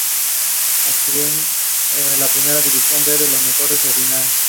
Ascienden a la Primera División B los dos mejores o finalistas.